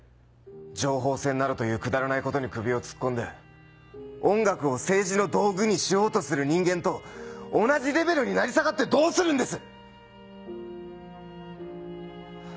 情報戦などというくだらないことに首を突っ込んで音楽を政治の道具にしようとする人間と同じレベルに成り下がってどうするんです！